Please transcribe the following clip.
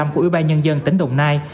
của ủy ban nhân dân tỉnh đồng nai